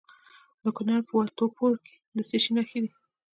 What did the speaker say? د کونړ په وټه پور کې د څه شي نښې دي؟